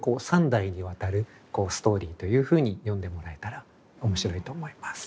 ３代にわたるストーリーというふうに読んでもらえたら面白いと思います。